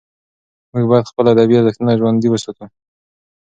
موږ باید خپل ادبي ارزښتونه ژوندي وساتو.